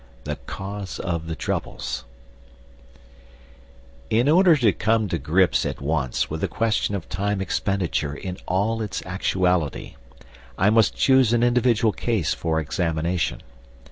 IV THE CAUSE OF THE TROUBLES In order to come to grips at once with the question of time expenditure in all its actuality, I must choose an individual case for examination.